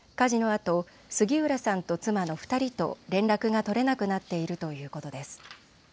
あと杉浦さんと妻の２人と連絡が取れなくなっているということです。